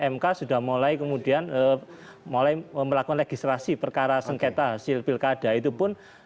mk sudah mulai kemudian mulai melakukan registrasi perkara sengketa hasil pilkada itu pun